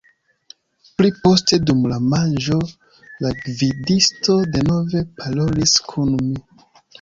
Pli poste, dum la manĝo, la gvidisto denove parolis kun mi.